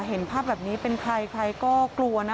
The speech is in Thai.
เห็นภาพแบบนี้เป็นใครใครก็กลัวนะ